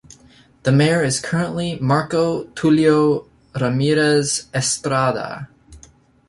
The mayor is currently Marco Tulio Ramirez Estrada.